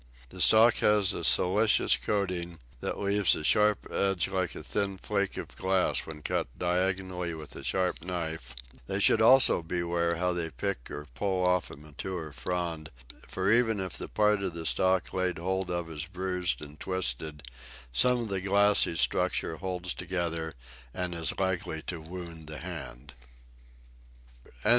The stalk has a silicious coating, that leaves a sharp edge like a thin flake of glass when cut diagonally with a sharp knife; they should also beware how they pick or pull off a mature frond, for even if the part of the stalk laid hold of is bruised and twisted, some of the glassy structure holds together and is likely to wound the hand.